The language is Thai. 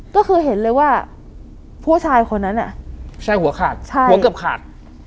ก็คือเห็นเลยว่าผู้ชายคนนั้นอ่ะใช่หัวขาดใช่หัวเกือบขาด